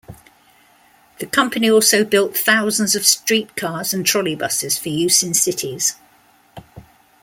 The company also built thousands of streetcars and trolley buses for use in cities.